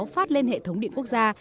phát lên hệ thống điện quốc gia